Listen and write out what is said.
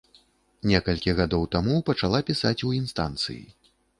Некалькі гадоў таму пачала пісаць у інстанцыі.